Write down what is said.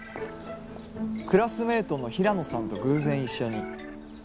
クラスメートのヒラノさんと偶然一緒に。